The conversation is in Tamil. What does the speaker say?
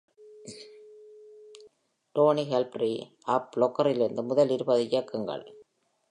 டோனி கால்டரி ஆப் ஸ்லாக்கரிலிருந்து முதல் இருபதை இயக்குங்கள்.